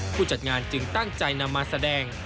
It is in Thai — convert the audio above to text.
ผู้จัดงานจึงตั้งใจนำมาแสดง